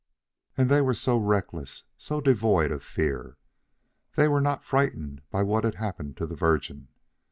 And they were so reckless, so devoid of fear. THEY were not frightened by what had happened to the Virgin.